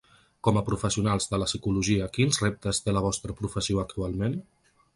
Com a professionals de la psicologia quins reptes té la vostra professió actualment?